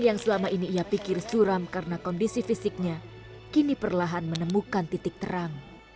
yang selama ini ia pikir suram karena kondisi fisiknya kini perlahan menemukan titik terang